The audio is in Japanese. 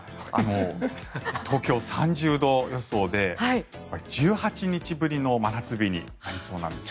東京、３０度予想で１８日ぶりの真夏日になりそうなんですね。